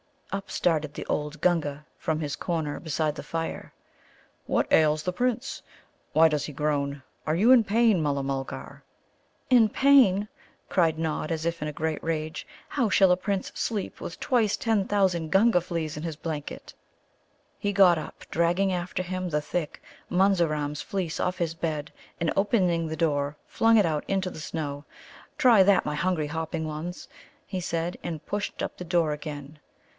Up started the old Gunga from his corner beside the fire. "What ails the Prince? Why does he groan? Are you in pain, Mulla mulgar?" "In pain!" cried Nod, as if in a great rage, "How shall a Prince sleep with twice ten thousand Gunga fleas in his blanket?" He got up, dragging after him the thick Munzaram's fleece off his bed, and, opening the door, flung it out into the snow. "Try that, my hungry hopping ones," he said, and pushed up the door again.